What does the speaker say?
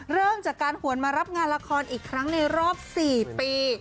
เริ่มจากการหวนมารับงานละครอีกครั้งในรอบ๔ปี